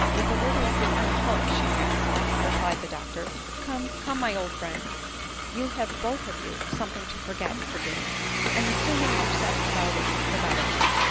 " With a little of your own help she has," replied the doctor. " Come, come, my old friend, you have both of you something to forget and forgive ; and the sooner you set about it the better.